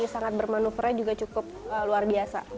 sangat bermanoeuvre nya juga cukup luar biasa